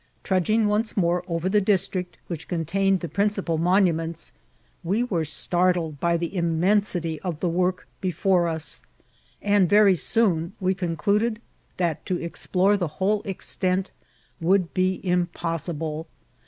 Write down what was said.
Trudging once more over the district which contained the principal rnouu ments, we were startled by the immensity of the work before us, and yery soon we concluded that to explore the whole extent would be impossible.